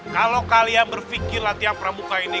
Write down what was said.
kalau kalian berpikir latihan pramuka ini